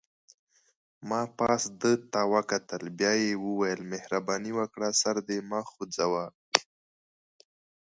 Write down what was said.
ما پاس ده ته وکتل، بیا یې وویل: مهرباني وکړه سر دې مه خوځوه.